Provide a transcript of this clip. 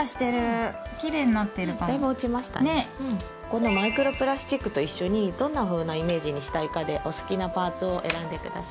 このマイクロプラスチックと一緒にどんなふうなイメージにしたいかでお好きなパーツを選んでください。